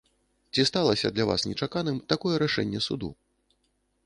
Ці сталася для вас нечаканым такое рашэнне суду?